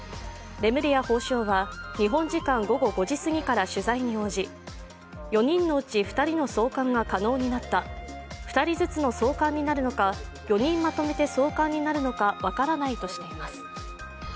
レムリヤ法相は、日本時間午後５時すぎから取材に応じ、４人のうち２人の送還が可能になった２人ずつの送還になるのか、４人まとめて送還になるのか分からないとしています。